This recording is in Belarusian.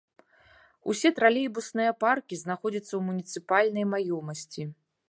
Усе тралейбусныя паркі знаходзяцца ў муніцыпальнай маёмасці.